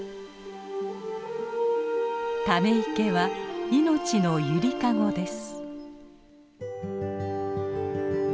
ため池は命の揺りかごです。